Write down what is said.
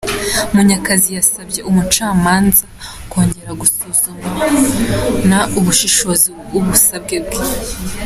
Munyakazi yasabye umucamanza kongera gusuzumana ubushishozi ubusabwe bwe.